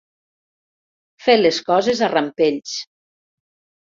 Fer les coses a rampells.